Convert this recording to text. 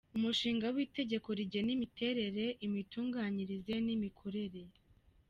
Umushinga w’Itegeko rigena imiterere, imitunganyirize n’imikorere.